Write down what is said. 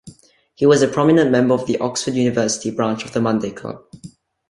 He was a prominent member of the Oxford University branch of the Monday Club.